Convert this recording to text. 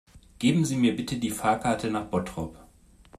Geben Sie mir bitte die Fahrkarte nach Bottrop